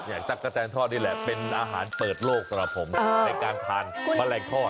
จักรแตนทอดนี่แหละเป็นอาหารเปิดโลกสำหรับผมในการทานแมลงทอด